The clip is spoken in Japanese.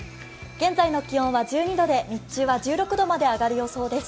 現在の気温は１２度で、日中は１６度まで上がる予想です。